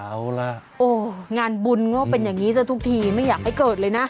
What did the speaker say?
เอาล่ะโอ้งานบุญก็เป็นอย่างนี้ซะทุกทีไม่อยากให้เกิดเลยนะ